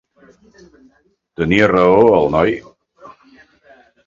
Tenia raó el noi?